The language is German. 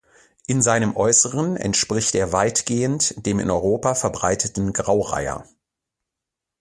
In seinem Äußeren entspricht er weitgehend dem in Europa verbreiteten Graureiher.